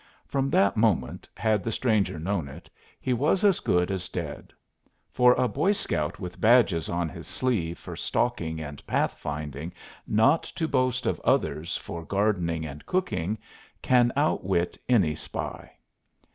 From that moment, had the stranger known it, he was as good as dead. For a boy scout with badges on his sleeve for "stalking" and "path finding," not to boast of others for "gardening" and "cooking," can outwit any spy.